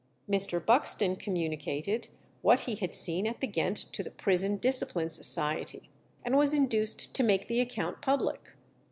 Mr. Buxton communicated what he had seen at Ghent to the Prison Discipline Society, and was induced to make the account public.